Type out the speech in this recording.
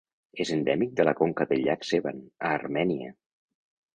És endèmic de la conca del llac Sevan, a Armènia.